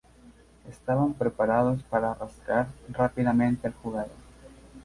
Estaban preparados para rastrear rápidamente al jugador.